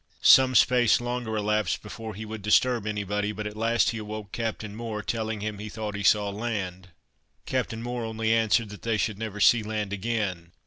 Some space longer elapsed before he would disturb any body, but at last he awoke Captain Moore, telling him he thought he saw land. Captain Moore only answered that they should never see land again.